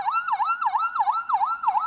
ketika mereka mengambil alih